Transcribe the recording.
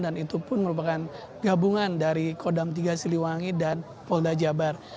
dan itu pun merupakan gabungan dari kodam tiga siliwangi dan polda jabar